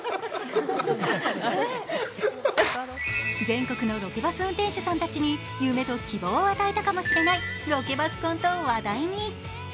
全国のロケバス運転手さんたちに夢と希望を与えたかもしれないロケバス婚と話題に。